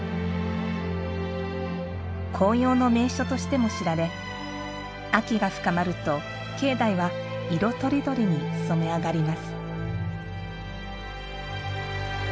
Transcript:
紅葉の名所としても知られ秋が深まると、境内は色とりどりに染め上がります。